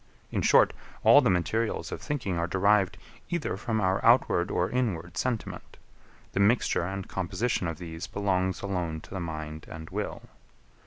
In short, all the materials of thinking are derived either from our outward or inward sentiment: the mixture and composition of these belongs alone to the mind and will.